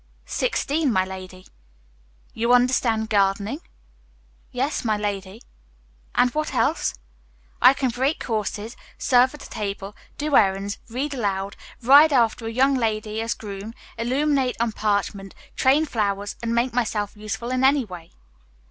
"Sixteen, my lady." "You understand gardening?" "Yes, my lady." "And what else?" "I can break horses, serve at table, do errands, read aloud, ride after a young lady as groom, illuminate on parchment, train flowers, and make myself useful in any way."